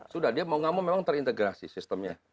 sudah dia mau gak mau memang terintegrasi sistemnya